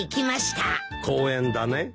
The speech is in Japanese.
公園だね。